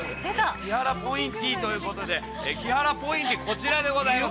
木原ポインティーということで、木原ポインティー、こちらでございます。